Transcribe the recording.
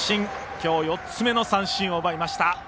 今日、４つ目の三振を奪いました。